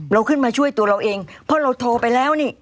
เราขึ้นมาช่วยตัวเราเองเพราะเราโทรไปแล้วนี่